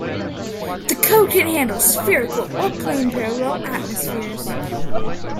The code can handle spherical or plane-parallel atmospheres.